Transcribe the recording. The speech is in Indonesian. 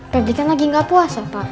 pernyataan lagi gak puas pak